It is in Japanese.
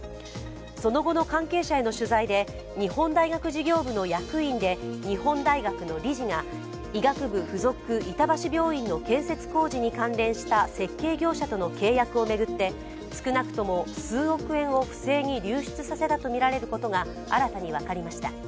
その後の関係者への取材で日本大学事業部の役員で日本大学の理事が医学部附属板橋病院の建設工事に関連した設計業者との契約を巡って少なくとも数億円を不正に流出させたとみられることが新たに分かりました。